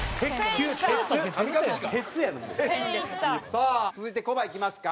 さあ続いてコバいきますか？